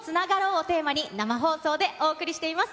をテーマに、生放送でお送りしています。